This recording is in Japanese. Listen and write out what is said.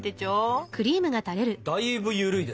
だいぶ緩いですね。